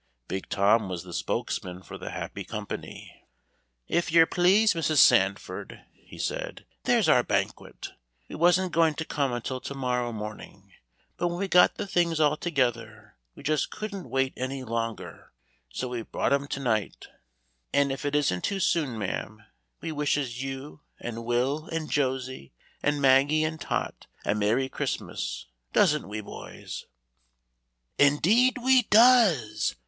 Big Tom was the spokesman for the happy company. "If yer please, Mrs. Sandford," he said, "there's our banquet. We wasn't going to come until to morrow morning, but when we got the things all together, we just couldn't wait any longer, so we've brought 'em to night, and if it isn't too soon, ma'am, we wishes you, and Will, and Josie, and Maggie, and Tot a 'Merry Christmas,' doesn't we, boys?" "Indeed we does!"